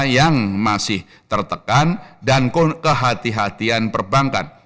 yang masih tertekan dan kehati hatian perbankan